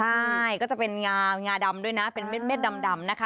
ใช่ก็จะเป็นาดำด้วยนะเป็นเม็ดดำนะคะ